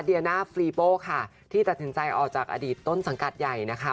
เดียน่าฟรีโป้ค่ะที่ตัดสินใจออกจากอดีตต้นสังกัดใหญ่นะคะ